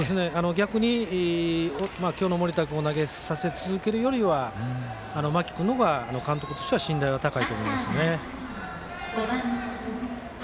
逆に今日の盛田君を投げさせ続けるよりは間木君のほうが監督としては信頼は高いと思いますね。